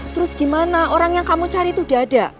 terus gimana orang yang kamu cari itu udah ada